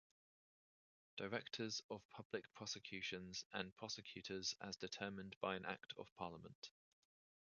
Directors of Public Prosecutions and prosecutors as determined by an Act of Parliament.